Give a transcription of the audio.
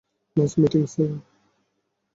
Nice meeting, sir.